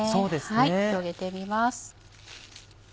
広げてみます。